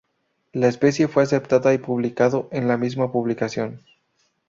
La especie fue aceptada y publicado en la misma publicación.